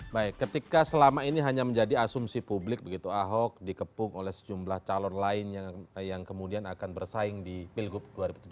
baik ketika selama ini hanya menjadi asumsi publik begitu ahok dikepung oleh sejumlah calon lain yang kemudian akan bersaing di pilgub dua ribu tujuh belas